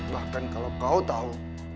bahkan kalau kau tahu